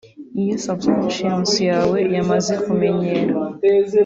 Iyo subconscious yawe yamaze kumenyera